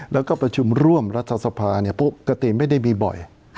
แล้วก็ประชุมร่วมรัฐสภาปกติไม่ได้มีบ่อย